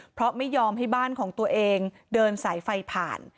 เพราะไม่ยอมให้บ้านของตัวเองเดินสายไฟผ่าน